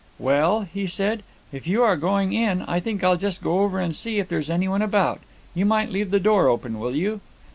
'Well,' he said, 'if you are going in, I think I'll just go over and see if there's anyone about; you might leave the door open, will you?'